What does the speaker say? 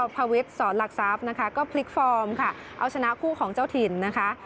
ภาวิทย์สอนหลักทรัพย์นะคะก็พลิกฟอร์มค่ะเอาชนะคู่ของเจ้าถิ่นนะคะ